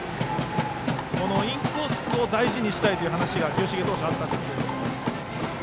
インコースを大事にしたいという話が清重投手、あったんですが。